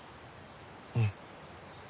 うん。